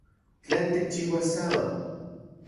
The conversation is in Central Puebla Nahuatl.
¿Tlen tikchiuas sábado?